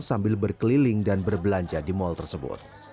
sambil berkeliling dan berbelanja di mal tersebut